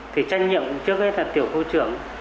thì trách nhiệm trước hết là tiểu khu trưởng